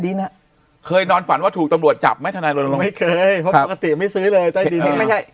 ดินอ่ะเคยนอนฝันว่าถูกตำรวจจับไหมไม่เคยไม่ซื้อเลยไม่ใช่